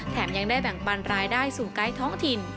แถมยังได้แบ่งบรรลายได้สูงใกล้ท้องถิ่น